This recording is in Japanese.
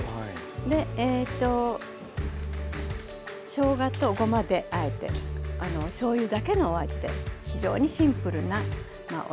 しょうがとごまであえてしょうゆだけのお味で非常にシンプルなおいしい副菜ですね。